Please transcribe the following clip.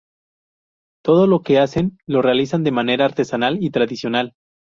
Todo lo que hacen, lo realizan de manera artesanal y tradicional.